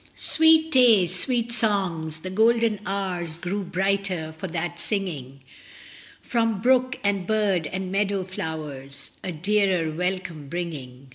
Sweet day, sweet songs. The golden hours Grew brighter for that singing, From brook, and bird, and meadow flowers A dearer welcome bringing.